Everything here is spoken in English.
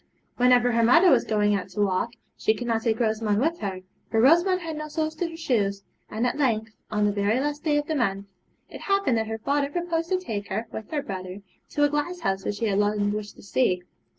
Whenever her mother was going out to walk, she could not take Rosamond with her, for Rosamond had no soles to her shoes; and at length, on the very last day of the month, it happened that her father proposed to take her, with her brother, to a glasshouse which she had long wished to see.